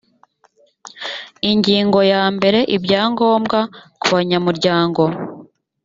ingingo ya mbere ibyangombwa kubanyamuryango